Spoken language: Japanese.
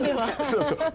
そうそう。